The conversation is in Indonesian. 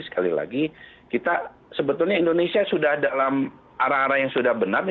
sekali lagi kita sebetulnya indonesia sudah dalam arah arah yang sudah benar